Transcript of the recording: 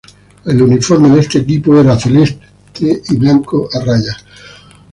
El uniforme de este equipo era celeste y blanco a rayas.